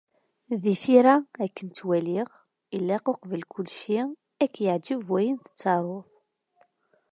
Di tira, akken ttwaliɣ, ilaq uqbel kulci, ad ak-yeɛjeb wayen tettaruḍ.